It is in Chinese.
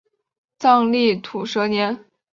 藏历土蛇年。